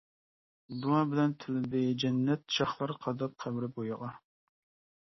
دۇئا بىلەن تىلىدى جەننەت، شاخلار قاداپ قەبرە بويىغا.